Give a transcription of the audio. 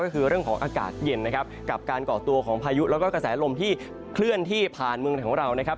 ก็คือเรื่องของอากาศเย็นนะครับกับการก่อตัวของพายุแล้วก็กระแสลมที่เคลื่อนที่ผ่านเมืองไทยของเรานะครับ